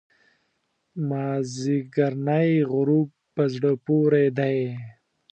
مازیګرنی غروب په زړه پورې دی.